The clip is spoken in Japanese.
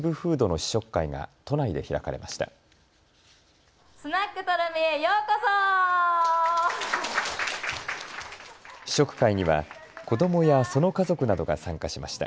試食会には子どもやその家族などが参加しました。